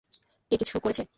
কে কিছু করেছে?